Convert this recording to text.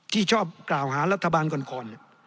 ที่ชอบกล่าวหารัฐบาลก่อน